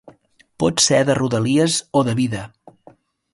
Pot ser de rodalies o de vida.